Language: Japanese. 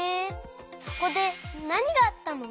そこでなにがあったの？